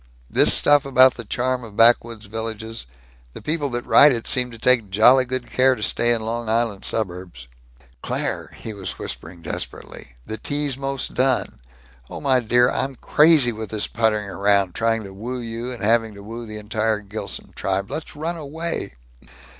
This stuff about the charm of backwoods villages the people that write it seem to take jolly good care to stay in Long Island suburbs!" "Claire!" He was whispering desperately, "The tea's most done. Oh, my dear. I'm crazy with this puttering around, trying to woo you and having to woo the entire Gilson tribe. Let's run away!"